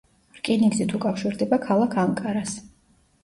რკინიგზით უკავშირდება ქალაქ ანკარას.